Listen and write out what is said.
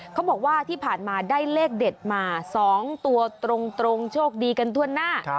เขาบอกว่าที่ผ่านมาได้เลขเด็ดมา๒ตัวตรงโชคดีกันทั่วหน้า